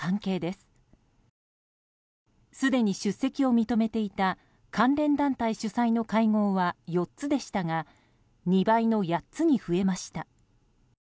すでに出席を認めていた関連団体主催の会合は４つでしたが２倍の８つに増えました。